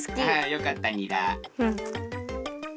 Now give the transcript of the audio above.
よかったにら。